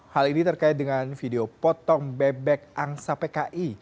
hal ini terkait dengan video potong bebek angsa pki